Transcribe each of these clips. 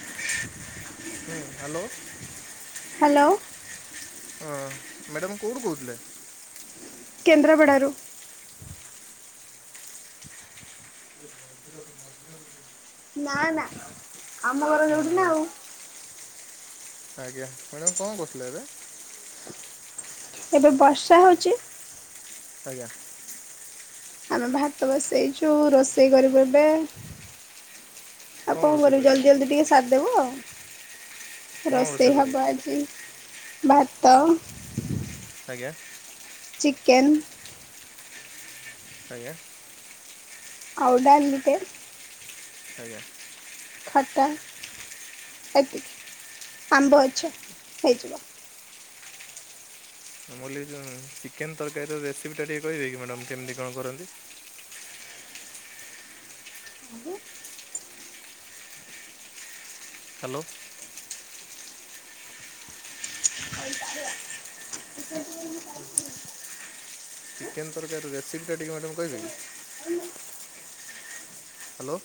ହୁଁ hello. Hello ହଁ madam କୋଉଠୁ କହୁଥିଲେ? କେନ୍ଦ୍ରାପଡ଼ାରୁ। ନା ନା ଆମ ଘର ଯୋଉଠିନା ଆଉ। ଆଜ୍ଞା ମ୍ୟାଡ଼ାମ୍ କଁ କରୁଥିଲେ ଏବେ? ଏବେ ବର୍ଷା ହଉଚି। ଆଜ୍ଞା। ଆମେ ଭାତ ବସେଇଚୁ ରୋଷେଇ କରିବୁ ଏବେ। ଆଉ କଣ ରୋଷେଇ କରିବି କରିବେ ଜଲ୍ଦି ଜଲ୍ଦି ଟିକେ ସାର୍ଦବୁ ଆଉ। କ'ଣ ରୋଷେଇ କରିବେ ହବ ଆଜି ଭାତ ଆଜ୍ଞା। ଚିକେନ୍। ଆଜ୍ଞା। ଆଉ ଡ଼ାଲିଟେ। ଆଜ୍ଞା। ଖଟା ଏତିକି ଆମ୍ବ ଅଛି ହେଇଯିବ। ମୁକହିଲି ଯୋଉ ଚିକେନ୍ ତର୍କାରୀର ରେସିପିଟା ଟିକେ କହିବେକି ମ୍ୟାଡ଼ାମ୍ କେମିତି କଣ କରନ୍ତି? ଆଗେ ହାଲୋ। [inaudible] ଚିକେନ ତର୍କରିର ରେସିପି ଟା ଟିକେ ମ୍ୟାଡ଼ମ୍ କହିବେ କି? [inaudible] ହାଲୋ।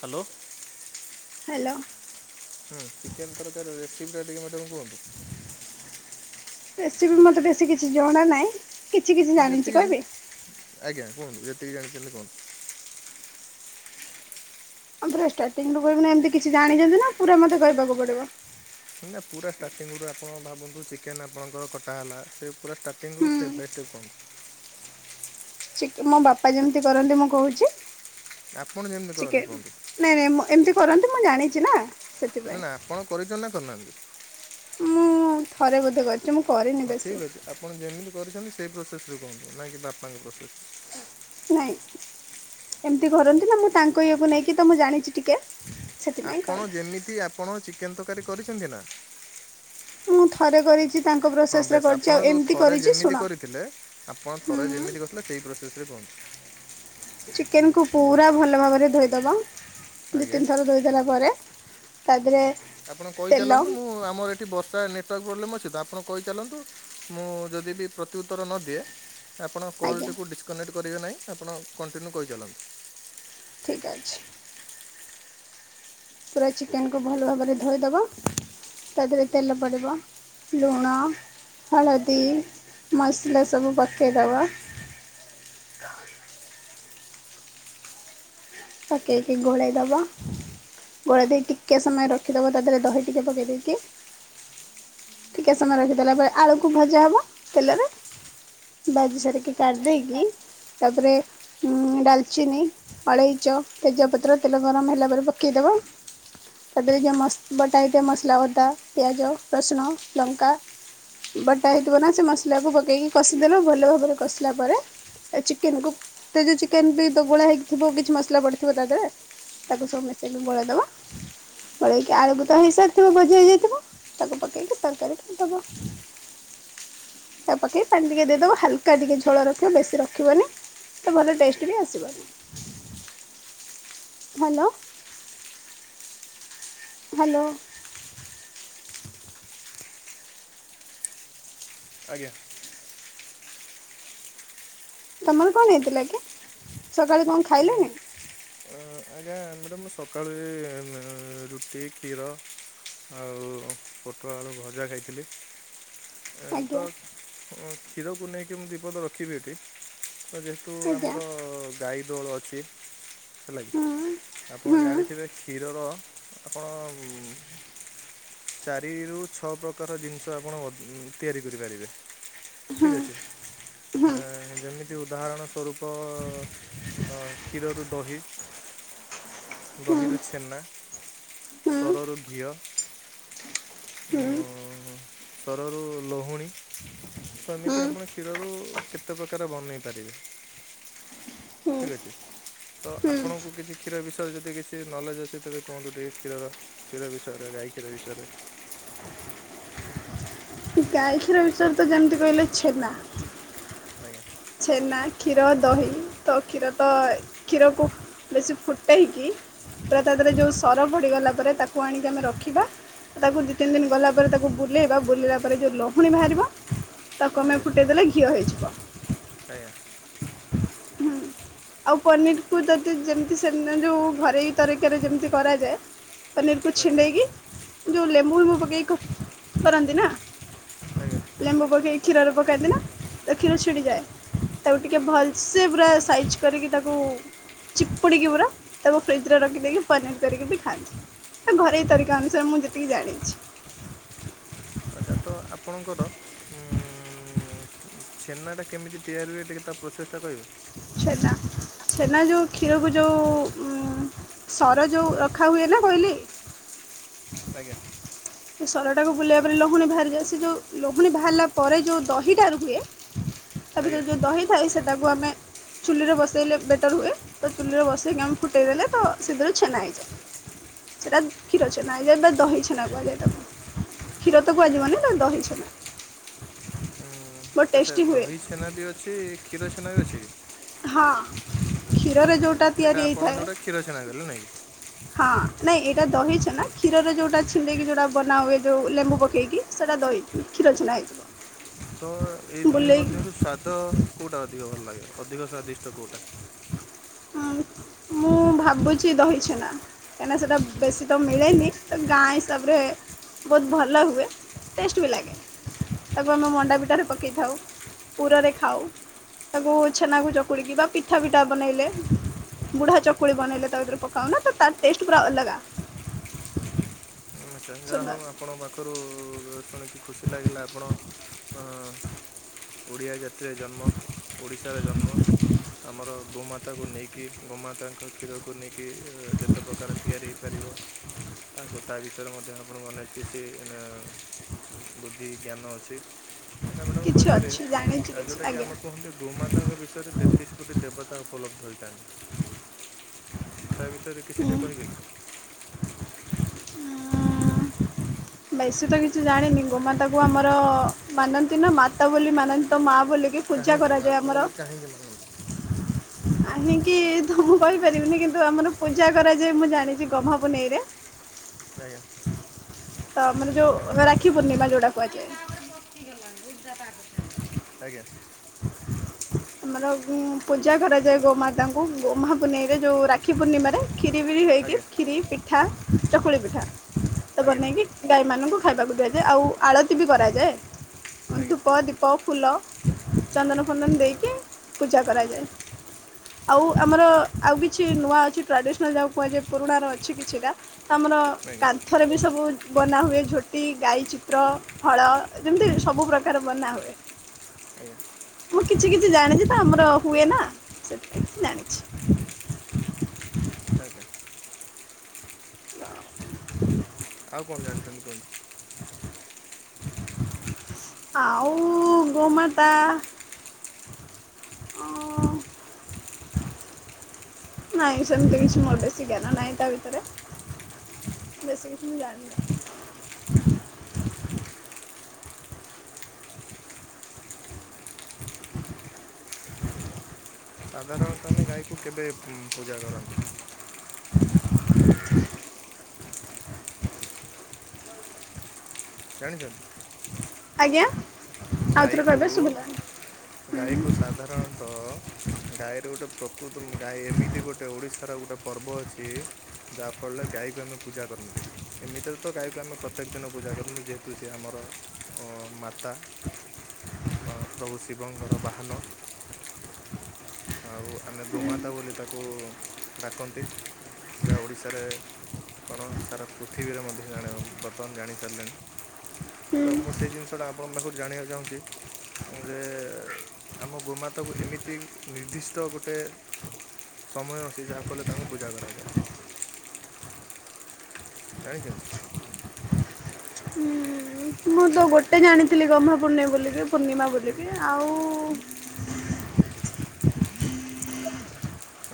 ହାଲୋ। ହାଲୋ। ହୁଁ ଚିକେନ୍ ତରକାରି ର ରେସିପି ଟା ଟିକେ ମେଡମ୍ କୁହ। ରେସିପି ମୋତେ ବେଶୀ କିଛି ଜଣା ନାଈଁ। ଯେତିକି ଯା ଆଜ୍ଞା କୁହନ୍ତୁ ଯେତିକି ଜାଣିଛନ୍ତି କୁହନ୍ତୁ। ହଁ ପୁରା ଷ୍ଟାର୍ଟିଂରୁୁ କହିବିନା ଏମିତି କିଛି ଜାଣିଛନ୍ତି ନା ପୁରା ମୋତେକହିବାକୁ ପଡ଼ିବ? ନା ପୁରା ଷ୍ଟାର୍ଟିଙ୍ଗୁ ଆପଣ ଭାବନ୍ତୁ ଚିକେନ୍ ଆପଣଙ୍କର କଟା ହେଲା ସେ ପୁରା ଷ୍ଟାର୍ଟିଙ୍ଗ୍ ରୁ ହୁଁ ଷ୍ଟେପ୍ ବାଇ ଷ୍ଟେପ୍ କୁହନ୍ତୁ। ଚିକ୍ ମୋ ବାପା ଜେମତି କରନ୍ତି ମୁଁ କହୁଛି। ଆପଣ ଯେମ୍ତି କରନ୍ତି ଚିକେନ୍ କୁହନ୍ତୁ। ନାଇଁ ନାଇଁ ମୁଁ ଏମ୍ତି କରନ୍ତି ମୁଁ ଜାଣିଚି ନା। ନା ସେଥିପାଇଁ ନା ଆପଣ କରିଛନ୍ତି ନା କରିନାହାନ୍ତି। ମୁଁ ଥରେ ବୋଧେ କ ଯେ ମୁଁ କରେନି। ହଁ ଠିକ୍ ଅଛି ଆପଣ ଯେମିତି କରିଛନ୍ତି ସେଇ ପ୍ରୋସେସ୍ ରେ କୁହନ୍ତୁ ନାହିଁ କି ବାପାଙ୍କ ପ୍ରୋସେସ୍। ନାଇଁ ଏମ୍ତି କରନ୍ତି ନା ମୁଁ ତାଙ୍କ ଇଏକୁ ନେଇକି ତ ମୁଁ ଜାଣିଚି ଟିକେ। ସେଥିପାଇଁ ଆପଣ କହିଲି ଯେମିତି ଆପଣ ଚିକେନ୍ ତକାରୀ କରିଚନ୍ତି ନା? ମୁଁ ଥରେ କରିଚି ତାଙ୍କ ପ୍ରୋସେସ ରେ କର୍ଚି ଆଉ ଏମ୍ତି କରିଛି ଶୁଣ ଥିଲେ। ଆପଣ ଥରେ ହୁଁ ଯେମିତି କରିଥିଲେ ସେହି ପ୍ରୋସେସ୍ ରେ କୁହନ୍ତୁ। ଚିକେନକୁ ପୁରା ଭଲ ଭାବରେ ଧୋଇଦବ ଦୁଇ ଆଜ୍ଞା ତିନି ଥର ଧୋଇଦେଲା ପରେ ତାଧୀରେ ଆପଣ କହିଚାଲନ୍ତୁ ମୁଁ ଆମର ଏ ବର୍ଷା ନେଟୱାର୍କ ପ୍ରୋବ୍ଲେମ୍ ଅଛି ତ ଆପଣ କହିଚାଲନ୍ତୁ ମୁଁ ଯଦି ବି ପ୍ରତିଉତ୍ତର ନଦିଏ ଆପଣ ଆଜ୍ଞା କଲଟିକୁ ଡିସକନେକ୍ଟ କରିବେ ନାହିଁ ଆପଣ କଣ୍ଟିନ୍ୟୁ କହିଚାଲନ୍ତୁ। ଠିକ୍ ଅଛି। ପୁରା ଚିକେନ୍ କୁ ଭଲ ଭାବରେ ଧୋଇଦବ। ତା ଦେହରେ ତେଲ ପଡ଼ିବ ଲୁଣ ହଳଦୀ ମସଲା ସବୁ ପକେଇଦବ ପକେଇକି ଗୋଳେଇ ଦବ ଗୋଳେଇ ଦେଇ ଟିକେ ସମୟ ରଖିଦବ ତା ଦେହରେ ଦହି ଟିକେ ପକେଇ ଦେଇକି ଟିକେ ସମୟ ରଖିଦେଲା ପରେ ଆଳୁକୁ ଭଜା ହବ ତେଲରେ। ବାଜି ସାରିକି କାଡି ଦେଇକି ତାପରେ ଉଁ ଡାଲଚିନି ଅଳେଇଚ, ତେଜପତ୍ର ତେଲ ଗରମ ହେଲା ପରେ ପକେଇଦବ। ତାପରେ ଯେ ମସ୍ ବଟା ହେଇଥିବା ମସଲା ଅଦା, ପିଆଜ, ରସୁଣ, ଲଙ୍କା ବଟା ହେଇଥିବ ନା ସେ ମସଲାକୁ ପକେଇକି କଷିଦେଲ ଭଲ ଭାବରେ କଷିଲା ପରେ ଆ ଚିକେନ କୁ ତେ ଜୋ ଚିକେନ୍ ବି ଦ ଗୋଳା ହେଇକି ଥିବ କିଛି ମସଲା ପଡ଼ିଥିବ ତା ଦେହରେ ତାକୁ ସବୁ ମିସେଇକି ଗୋଳେଇ ଦବ ପଳେଇକି ଆଳୁକୁ ତ ହେଇସାରିଥିବ ଭଜା ହେଇଯାଇଥିବ ତାକୁ ପକେଇକି ତରକାରୀ କରିଦବ। ତାକୁ ପକେଇ ପାଣି ଟିକେ ଦେଇଦବ ହାଲକା ଟିକେ ଝୋଳ ରଖିବ ବେଶୀ ରଖିବନି ତ ଭଲ ଟେଷ୍ଟ ବି ଆସିବନି। ହ୍ୟାଲୋ। ହାଲୋ। ଆଜ୍ଞା। ତମର କଣ ହେଇଥିଲା କି, ସକାଳୁ କଣ ଖାଇଲଣିି? ଉଁ ହୁଁ, ଆଜ୍ଞା ଆମେ ତ ମୁଁ ସକାଳେ ଏଇ ରୁଟି, ଖିର ଆଉ ପୋଟଳ ଆଳୁ ଭଜା ଖାଇଥିଲି। ତ, ଆଜ୍ଞା ଖିରକୁ ନେଇକି ମୁଁ ଦି ପଦ ରଖିବି ଏଠି, ତ ଯେ ହେତୁ ଆଜ୍ଞା ଆମର ଗାଈ ଦୋଅଳ ଅଛି, ହେଲା କିି। ହୁଁ। ଆପଣ ହୁଁ ଜାଣିଥିବେ କ୍ଷୀରର, ଆପଣ ଚାରିରୁ ଛଅ ପ୍ରକାର ଜିନିଷ ଆପଣ ଅ ତିଆରି କରିପାରିବେ। ଠିକ୍ ଅଛି। ହୁଁ ଆ ଯେମିତି ଉଦାହରଣ ସ୍ୱରୂପ ଅ, କ୍ଷୀରରୁ ଦହି। ହୁଁ ଦହିରୁ ଛେନା, ହୁଁ ସରରୁ ଘିଅ। ହୁଁ। ଉଁ ସରରୁ ଲହୁଣୀ। ତ ହୁଁ ଏମିତି ଆପଣ କ୍ଷୀରରୁ କେତେ ପ୍ରକାର ବନେଇ ପାରିବେ। ହୁଁ ଠିକ୍ ଅଛି। ତ ହୁଁ ଆପଣଙ୍କୁ କିଛି କ୍ଷୀର ବିଷୟରେ ଯଦି କିଛି ନଲେଜ୍ ଅଛି ତେବେ କୁହନ୍ତୁ, ଟିକେ କ୍ଷୀରର କ୍ଷୀର ବିଷୟରେ ଗାଈ କ୍ଷୀର ବିଷୟରେ। ଗାଈ କ୍ଷୀର ବିଷୟରେ ତ ଯେମିତି କହିଲେ ଛେନା। ଆଜ୍ଞା ଛେନା, କ୍ଷୀର, ଦହି ତ କ୍ଷୀର ତ କ୍ଷୀରକୁ ବେଶୀ ଫୁଟେଇକି, ପୁରା ତା ଦେଏରେ ଯୋଉ ସର ପଡିଗଲା ପରେ, ତାକୁ ଆଣିକି ଆମେ ରଖିବା। ତାକୁ ଦି ତିନି ଦିନି ଗଲା ପରେ ତାକୁ ବୁଲେଇବା, ବୁଲେଇଲା ପରେ ଯୋଉ ଲହୁଣୀ ବାହାରିବ। ତାକୁ ଆମେ ଆଜ୍ଞା ଫୁଟେଇଦେଲେ ଘିଅ ହେଇଯିବ। ଆଜ୍ଞା। ଆଉ ପନିରକୁ ଯଦି ଯେମିତି ସେ ଦିନ୍ ଯୋଉ ଘରେଇ ତରିକାରେ ଯେମିତି କରାଯାଏ। ପନିର୍ କୁ ଆଜ୍ଞା ଛିଣ୍ଡେଇକି, ଯୋଉ ଲେମ୍ବୁ ଫେମ୍ବୁ ପକେଇକି କରନ୍ତି ନା। ଆଜ୍ଞା। ଲେମ୍ବୁ ପକେଇ କ୍ଷୀରରେ ପକାନ୍ତିନା? ତ କ୍ଷୀର ଛିଡିଯାଏ, ତାକୁ ଟିକେ ଭଲ୍ସେ ପୁରା ସାଇଜ୍ କରିକି ତାକୁ, ଚିପୁଡ଼ିକି ପୁରା ତାକୁ ଫ୍ରିଜ୍ ରେ ରଖିଦେଇକି ପନିର୍ କରିକି ବି ଖାଆନ୍ତି। ଏ ଘରୋଇ ତରିକା ଅନୁସାରେ ମୁଁ ଯେତିକି ଜାଣିଛି। ଏଇଟା ତ ଆପଣଙ୍କର। ଛେନା ଟା କେମିତି ତିଆରି ହୁଏ, ଟିକେ ତା ପ୍ରୋସେସ୍ ଟା କହିବେ? ଛେନା, ଛେନା ଯୋଉ କ୍ଷୀରକୁ ଯୋଉ ଉଁ ସର ଯୋଉ ରଖା ହୁଏନି, କହିଲି। ଆଜ୍ଞା। ସେ ସରଟାକୁ ବୁଲେଇିବା ରେ ଲହୁଣୀ ବାହାରିଯାଏ, ସେ ଯୋଉ ଲହୁଣୀ ବାହାରିଲା ପରେ ଯୋଉ ଦହିଟା ରୁହେ। ତା ଆଜ୍ଞା ଭିତରେ ଯୋଉ ଦହି ଥାଏ, ସେଟାକୁ ଆମେ ଚୁଲିରେ ବସେଇଲେ ବେଟର୍ ହୁଏ, ତ ଚୁଲିରେ ବସେଇକି ଆମେ ଫୁଟେଇ ଦେଲେ ତ ସେଥିରେ ଛେନା ହେଇଯାଏ। ସେଟା କ୍ଷୀର ଛେନା ହେଇଯାଏ, ବା ଦହି ଛେନା କୁହାଯାଏ। କ୍ଷୀର ତ କୁହାଯିବନି, ସେଟା ଦହି ଛେନା। ବହୁତ ଆଛା, ଟେଷ୍ଟି ହୁଏ। ଦହି ଛେନା ବି ଅଛି, କ୍ଷୀର ଛେନା ବି ଅଛି? ହଁ, କ୍ଷୀରରେ ଯୋଉଟା ତିଆରି ହେଇଥାଏ। କ୍ଷିର ଛେନା କଇଲ, ନାଇଁ? ହଁ, ନାଇଁ ଏଇଟା ଦହି ଛେନା, କ୍ଷୀରରେ ଯୋଉଟା ଛିଣ୍ଡେଇକି ଯୋଉଟା ବନା ହୁଏ ଯୋଉ ଟା ଲେମ୍ବୁ ପକେଇକି ସେଟା ଦହି କ୍ଷୀର ଛେନା ହେଇଯିବ। ତ ଏଇ ଦୁଇ ବୁଲେଇ ମଧ୍ୟରୁ ସ୍ଵାଦ କୋଉଟା ଅଧିକ ଭଲ ଲାଗେ, ଅଧିକ ସ୍ଵାଦିଷ୍ଟ କୋଉଟା? ହଁ ମୁଁ ଭାବୁଛି ଦହି ଛେନା। କାହିଁକିନା ସେଟା ବେଶୀ ତ ମିଳେନି ତ ଗାଁ ହିସାବରେ ବହୁତ ଭଲ ହୁଏ ଟେଷ୍ଟ ବି ଲାଗେ। ତାକୁ ଆମେ ମଣ୍ଡା ପିଠାରେ ପକେଇଥାଉ ପୁରରେ ଖାଉ। ତାକୁ ଛେନାକୁ ଚକୁଳିକି ବା ପିଠା ପିଠା ବନେଇଲେ ବୁଢା ଚକୁଳି ବନେଇଲେ ତା ଭିତରେ ପକାଉନା ତ ତାର ଟେଷ୍ଟ ପୁରା ଅଲଗା। [unintelligible] ସୁନ୍ଦର ହଉ। ଆପଣଙ୍କ ପାଖରୁ ଶୁଣିକି ଖୁସି ଲାଗିଲା ଆପଣ ଓଡ଼ିଆ ଜାତିରେ ଜନ୍ମ ଓଡ଼ିଶାରେ ଜନ୍ମ। ଆମର ଗୋମାତାକୁ ନେଇକି ଗୋମାତାଙ୍କ କ୍ଷୀରକୁ ନେଇକି ଯେତେ ପ୍ରକାର ତିଆରି ହେଇ ପାରିବ ତାକୁ ତା ବି ସେଥିରେ ମଧ୍ୟ [inaudible] ବୁଦ୍ଧି ଜ୍ଞାନ ଅଛି। କଥା ମ୍ୟାଡାମ କିଛି କହିପାରେ ଅଛି ଜାଣିଛି ଆଉ କିଛି ଯୋଉଟା କି ଆଜ୍ଞା ଆମେ କୁହନ୍ତି। ଗୋମାତାଙ୍କ ବିଷୟରେ ତେତିଶ କୋଟି ଦେବତା ଉପଲବ୍ଧ ହୋଇଥାଏ। ତାର ବିଷୟରେ ହୁଁ କିଛି ଟିକେ କହିବେ କି? ବେଶୀ ତ କିଛି ଜାଣିନି ଗୋମାତାକୁ ଆମର ମାନନ୍ତି ନା ମାତା ବୋଲି ମାନନ୍ତି। ତ ମା ବୋଲିକି ପୂଜା କାହିଁକି କରାଯାଏ ମାତା ଆମର। ବୋଲି କାହିଁକି [inaudible] କାହିଁକି ତ ମୁଁ କହିପାରିବିନି କିନ୍ତୁ ଆମର ପୂଜା କରାଯାଏ ମୁଁ ଜାଣିଛି ଗମହା ପୁନେଇ ରେ। ରାଇଟ। ତ ମାନେ ଯୋଉ ରାକ୍ଷୀ ପୂଣ୍ଣିମା ଯଉଟା ନହେଲେ କାହା କୁହାଯାଏ। ଉପରେ [unintelligible] ଆଜ୍ଞା। [inaudible] ଆମର ପୂଜା କରାଯାଏ ଗୋମାତାଙ୍କୁ ଗମାହା ପୁନେଇ ରେ ଯୋଉ ରାକ୍ଷୀ ପୂର୍ଣ୍ଣିମା ରେ। କ୍ଷୀରି ଫିରି ହେଇକି ଆଜ୍ଞା କ୍ଷୀରି ପିଠା ଚକୁଳି ପିଠା ତ ଆଜ୍ଞା ବନେଇକି ଗାଈମାନଙ୍କୁ ଖାଇବାକୁ ଦିଆଯାଏ ଆଉ ଆଳତି ବି କରାଯାଏ ଆଜ୍ଞା ଧୂପ ଦୀପ ଫୁଲ ହଁ ଚନ୍ଦନ ହଁ ଫନ୍ଦନ ଦେଇକି ପୂଜା କରାଯାଏ। ଆଉ ଆମର ଆଉ କିଛି ନୂଆ ଅଛି ଟ୍ରାଡ଼ିସନାଲ୍ ଯାହାକୁ କୁହାଯାଏ ପୁରୁଣାର ଅଛି କିଛିଟା। ଆମର ଆଜ୍ଞା କାନ୍ଥରେ ବି ସବୁ ବନାହୁଏ ଝୋଟି ଗାଈ ଚିତ୍ର ଫଳ ଯେମିତି ସବୁ ପ୍ରକାର ବନା ହୁଏ। ଏ ମୁଁ କିଛି କିଛି ଜାଣିଛି ତ ଆମର ହୁଏ ନା ସେଥିପାଇଁ କିଛି ଜାଣିଛି। ଆଜ୍ଞା। ତ ଆଉ କଣ ଜାଣିଛନ୍ତି କୁହନ୍ତୁ। ଆଉ ଗୋମାତା ଓ। ନାଇଁ ସେମିତି କିଛି ମୋର ବେଶୀ ଜ୍ଞାନ ନାହିଁ ତା ଭିତରେ। ବେଶୀ କିଛି ମୁଁ ଜାଣିନି। ସାଧାରଣତଃ ଆମେ ଗାଈ କି କେବେ ପୂଜା କରନ୍ତି? ଜାଣିଛନ୍ତି। ଆଜ୍ଞା ଆଉଥରେ ଗାଈକୁ କହିବେ ଶୁଭିଲାନି। ଗାଈକୁ ସାଧାରଣତଃ ଗାଈର ଗୋଟେ ପ୍ରକୃତ ଗାଈ ଏମିତି ଗୋଟେ ଓଡ଼ିଶା ତାର ଗୋଟେ ପର୍ବ ଅଛି ଯାହାଫଳରେ ଗାଈ କି ଆମେ ପୂଜା କରନ୍ତି। ଏମିତିରେ ତ ଗାଈକୁ ଆମେ ପ୍ରତ୍ୟେକ ଦିନ ପୂଜା କରନ୍ତି ଯେହେତୁ ସିଏ ଆମର ମାତା। ଅ ପ୍ରଭୁ ଶିବଙ୍କର ବାହାନ। ଆଉ ଆମେ ଗୋମାତା ବୋଲି ତାକୁ ଡାକନ୍ତି। ଯାହା ଓଡ଼ିଶାରେ କଣ ସାରା ପୃଥିବୀର ମଧ୍ୟ ଜାଣ ବର୍ତ୍ତମାନ୍ ଜାଣି ସାରିଲେଣି। ହୁଁ ତ ମୁଁ ସେଇ ଜିନିଷଟା ଆପଣଙ୍କ ପାଖରୁ ଜାଣିବାକୁ ଚାହୁଁଚି ଯେ ଆମ ଗୋମାତାକୁ ଏମିତି ନିର୍ଦ୍ଦିଷ୍ଟ ଗୋଟେ ସମୟ ଅଛି ଯାହାକୁ ହେଲେ ତାଙ୍କୁ ପୂଜା କରାଯାଏ। ଜାଣିଚ? ହୁଁ। ମୁଁ ତ ଗୋଟେ ଜାଣିଥିଲି ଗହ୍ମା ପୂର୍ଣ୍ଣିମା ବୋଲିକି ପୂର୍ଣ୍ଣିମା ବୋଲିକି ଆଉ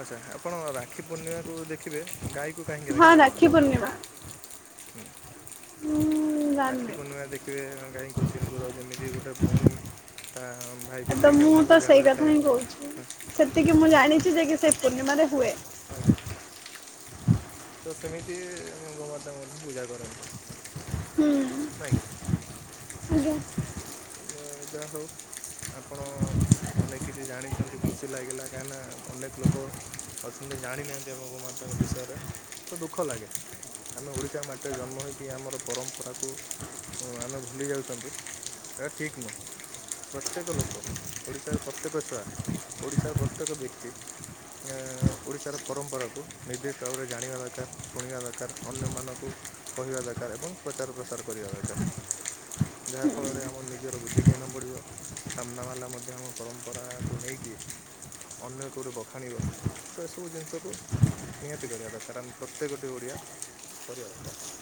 ଆଚ୍ଛା ଆପଣ ରାକ୍ଷୀ ପୂର୍ଣ୍ଣିମାକୁ ଦେଖିବେ ଗାଈକୁ କାହିଁକି ହଁ ରାକ୍ଷୀ ବାନ୍ଧନ୍ତି? ପୂର୍ଣ୍ଣିମା [inaudible] ରାକ୍ଷୀ ପୂର୍ଣ୍ଣିମା ଦେଖିବେ ଗାଈଙ୍କୁ ସିନ୍ଦୁର ଯେମିତି ଗୋଟେ ଭଉଣୀ ତା ଭାଇକୁ ତ ଠିକ୍ ମୁଁ ଯେମିତି ତ ପୂଜା ସେଇ କଥା କରିଥାଏ ହିଁ କହୁଛି, ସେତିକି ମୁଁ ତ ଜାଣିଛି ଯେ କି ସେ ପୂର୍ଣ୍ଣିମାରେ ହୁଏ। ଆଜ୍ଞା ତ ସେମିତି ଗୋମାତାଙ୍କୁ ପୂଜା କରନ୍ତି ହୁଁ ନାଇଁ କି? ଆଜ୍ଞା। ଯାହଉ ଆପଣ ମାନେ କିଛି ଜାଣିଛନ୍ତି ଖୁସି ଲାଗିଲା କାହିଁକିନା ଅନେକ୍ ଲୋକ ଅଛନ୍ତି ଜାଣିନାହାନ୍ତି ଆମ ଗୋମାତାଙ୍କ ବିଷୟରେ ତ ଦୁଃଖ ଲାଗେ। ଆମେ ଓଡ଼ିଶା ମାଟିରେ ଜନ୍ମ ହେଇକି ଆମର ପରମ୍ପରାକୁ ଆମେ ଭୁଲି ଯାଉଚନ୍ତି। ଏଟା ଠିକ୍ ନୁହଁ। ପ୍ରତ୍ୟେକ ଲୋକ ଓଡ଼ିଶାର ପ୍ରତ୍ୟେକ ଛୁଆ ଓଡ଼ିଶାର ପ୍ରତ୍ୟେକ ବ୍ୟକ୍ତି [unintelligible] ଓଡ଼ିଶାର ପରମ୍ପରାକୁ ନିର୍ଦ୍ଦିଷ୍ଟ ଭାବରେ ଜାଣିବା ଦରକାର୍, ଶୁଣିବା ଦରକାର୍ ଅନ୍ୟ ମାନଙ୍କୁ କହିବା ଦରକାର୍ ଏବଂ ପ୍ରଚାର ପ୍ରସାର କରିବା ଦରକାର ଯାହା ଫଳରେ ଆମର ନିଜର ବୁଦ୍ଧି କୁ ଜ୍ଞାନ ବଢିବ ସାମ୍ନା ବାଲା ମଧ୍ୟ ଆମ ପରମ୍ପରାକୁ ନେଇକି ଅନ୍ୟ କୋଉଠି ବଖାଣିବ, ତ ଏସବୁ ଜିନିଷକୁ ନିହାତି କରିବା ଦରକାର ଆମେ ପ୍ରତ୍ୟେକଟି ଓଡ଼ିଆ କରିବା ଦରକାର୍।